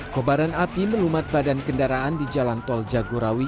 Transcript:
kobaran api melumat badan kendaraan di jalan tol jagorawi